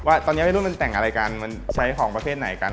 ว่าตอนนี้ไม่รู้มันแต่งอะไรกันมันใช้ของประเภทไหนกัน